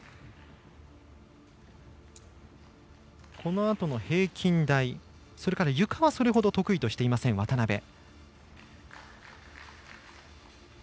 このあとの平均台それからゆかはそれほど得意としてません、渡部。